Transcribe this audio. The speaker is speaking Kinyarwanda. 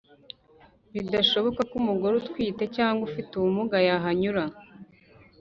bidashoboka ko umugore utwite cyangwa ufite ubumuga yahanyura